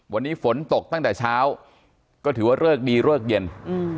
วันนี้ฝนตกตั้งแต่เช้าก็ถือว่าเลิกดีเลิกเย็น